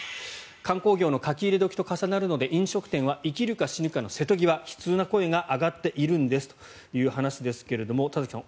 観光業の書き入れ時と重なるので飲食店は生きるか死ぬかの瀬戸際悲痛な声が上がっているんですという話ですけど田崎さん